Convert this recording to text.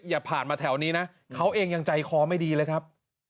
อย่าผ่านมาแถวนี้นะเขาเองยังใจคอไม่ดีเลยครับ